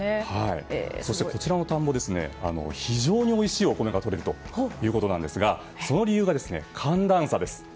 こちらの田んぼは非常においしいお米がとれるということですがその理由が寒暖差です。